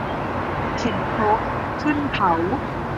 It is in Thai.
เข็นครกขึ้นเขา